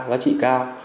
giá trị cao